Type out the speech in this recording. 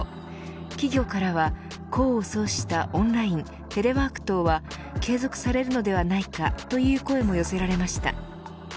企業からは功を奏したオンラインテレワーク等は継続されるのではないかという声も寄せられました。